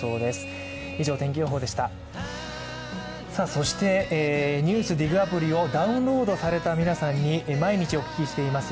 そして、「ＮＥＷＳＤＩＧ」アプリをダウンロードされた皆さんに毎日お聞きしています